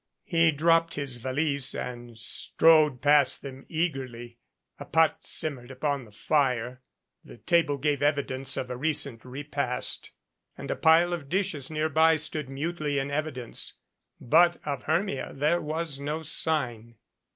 He dropped his valise and strode past them eagerly. A pot simmered upon the fire, the table gave evidence of a recent repast, and a pile of dishes nearby stood mutely in evidence, but of Hermia there was no sign.